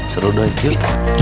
seru dong cip